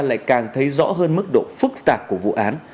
lại càng thấy rõ hơn mức độ phức tạp của vụ án